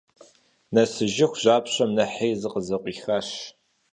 Нэсыжыху жьапщэм нэхъри зыкъызэкъуихащ.